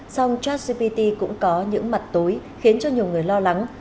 song chatgpt cũng có những mặt tối khiến cho nhiều người lo lắng